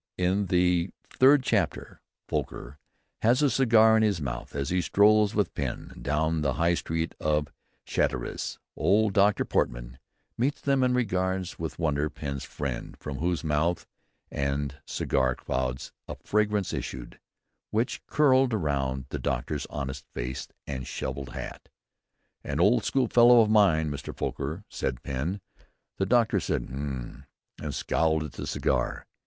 In the third chapter Foker has a cigar in his mouth as he strolls with Pen down the High Street of Chatteris. Old Doctor Portman meets them and regards "with wonder Pen's friend, from whose mouth and cigar clouds of fragrance issued, which curled round the doctor's honest face and shovel hat. 'An old school fellow of mine, Mr. Foker,' said Pen. The doctor said 'H'm!' and scowled at the cigar.